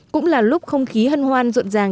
cũng là lúc không khí hân hoan ruộn ràng